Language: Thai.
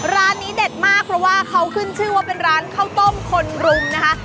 ร้านนี้เด็ดมากเพราะว่าเขาขึ้นชื่อว่าเป็นร้านข้าวต้มคนรุมนะคะ